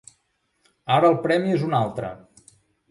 Ara el premi és un altre.